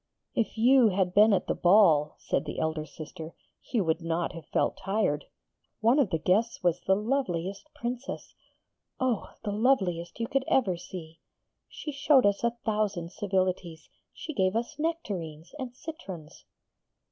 'If you had been at the ball,' said the elder sister, 'you would not have felt tired. One of the guests was the loveliest Princess oh, the loveliest you ever could see! She showed us a thousand civilities. She gave us nectarines and citrons.'